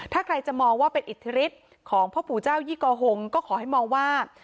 ถ้าใครจะมองว่าเป็นอิทธิฤทธิ์ของพ่อปู่เจ้ายี่กอฮงก็ขอให้มองว่า